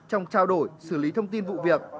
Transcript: trong trao đổi xử lý thông tin vụ việc